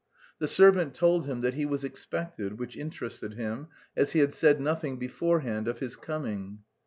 The servant told him that he was expected, which interested him, as he had said nothing beforehand of his coming.